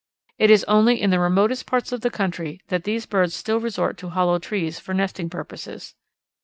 It is only in the remotest parts of the country that these birds still resort to hollow trees for nesting purposes.